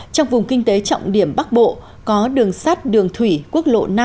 trong vùng kinh tế trọng điểm bắc bộ có đường sắt đường thủy quốc lộ năm